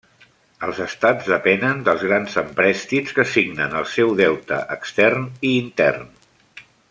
Els estats depenen dels grans emprèstits que signen el seu deute extern i intern.